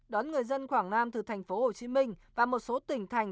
đón người dân quảng nam từ tp hcm và một số tỉnh thành